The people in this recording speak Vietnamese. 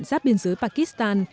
giáp biên giới pakistan